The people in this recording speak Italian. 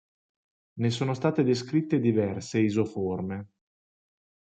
Ne sono state descritte diverse isoforme.